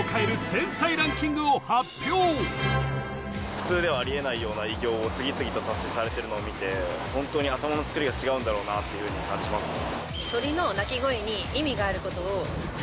普通ではありえないような偉業を次々と達成されてるのを見てホントに頭の作りが違うんだろうなっていうふうに感じますね